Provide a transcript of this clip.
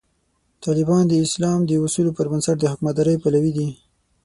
طالبان د اسلام د اصولو پر بنسټ د حکومتدارۍ پلوي دي.